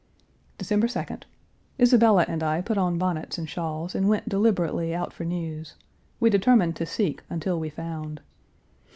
December 2d. Isabella and I put on bonnets and shawls and went deliberately out for news. We determined to seek until we found.